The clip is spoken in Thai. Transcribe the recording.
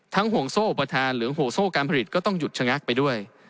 ห่วงโซ่อุปทานหรือห่วงโซ่การผลิตก็ต้องหยุดชะงักไปด้วย